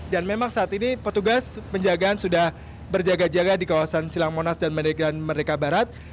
dan memang saat ini petugas penjagaan sudah berjaga jaga di kawasan silang monas dan medan merdeka barat